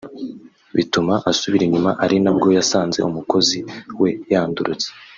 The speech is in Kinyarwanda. bituma asubira inyuma ari na bwo yasanze umukozi we yandurutse